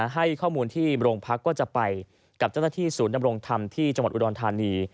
ให้ข้อมูลที่โรงพักก็จะไปกับเจ้าหน้าที่ศูนย์ดำรงธรรมที่จังหวัดอุดรธานี